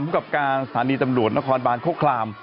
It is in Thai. ผู้ขับการสถานีจำรวจนครบานโฆฆลาม